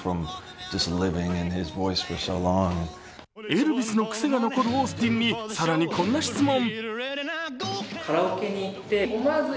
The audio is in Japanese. エルヴィスのくせが残るオースティンに、更にこんな質問。